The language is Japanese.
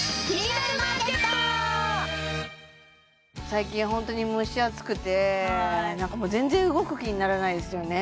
最近ホントに蒸し暑くてはいなんかもう全然動く気にならないですよね